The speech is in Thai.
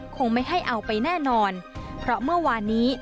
คงไม่ให้เอาไปแน่นอนเพราะเมื่อวานนี้